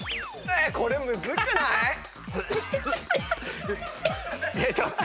これむずくない⁉ちょっと！